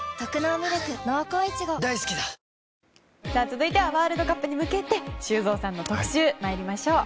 続いてはワールドカップに向けて修造さんの特集まいりましょう。